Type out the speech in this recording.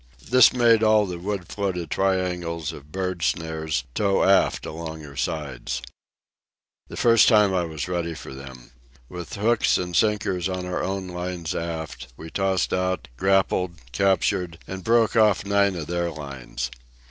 This made all the wood floated triangles of bird snares tow aft along her sides. The first time I was ready for them. With hooks and sinkers on our own lines aft, we tossed out, grappled, captured, and broke off nine of their lines.